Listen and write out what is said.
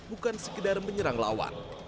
bukan sekedar menyerang lawan